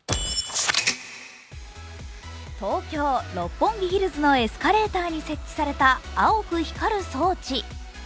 東京・六本木ヒルズのエスカレーターに設置された青く光る装置。